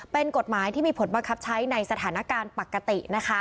เป็นกฎหมายที่มีผลบังคับใช้ในสถานการณ์ปกตินะคะ